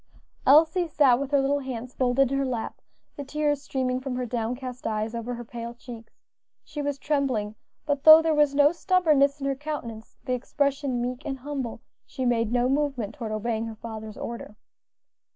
Elsie sat with her little hands folded in her lap, the tears streaming from her downcast eyes over her pale cheeks. She was trembling, but though there was no stubbornness in her countenance, the expression meek and humble, she made no movement toward obeying her father's order.